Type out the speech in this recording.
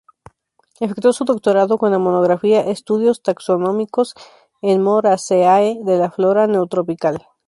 Efectuó su doctorado con la monografía "Estudios taxonómicos en "Moraceae" de la Flora Neotropical".